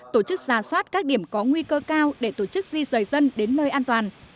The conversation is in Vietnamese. tổ chức ra soát các điểm có nguy cơ cao để tổ chức di rời dân đến nơi an toàn